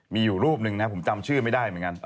มีอยู่รูปหนึ่งนะผมจำชื่อไม่ได้เหมือนกัน